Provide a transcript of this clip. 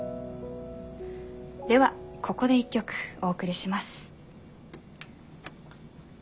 ではここで一曲お送りします。